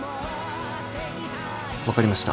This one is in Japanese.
分かりました